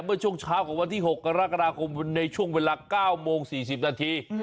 เมื่อช่วงเช้าของวันที่๖กรกฎาคมในช่วงเวลา๙โมง๔๐นาที